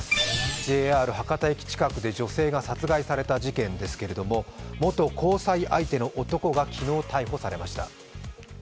ＪＲ博多駅近くで女性が殺害された事件ですけれども、元交際相手の男が昨日、逮捕されました。